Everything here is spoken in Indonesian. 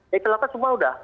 ya kelepasan semua sudah